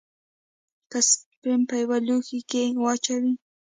که سپرم په يوه لوښي کښې واچوې.